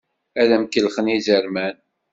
Ad d-am-kellxen yizerman.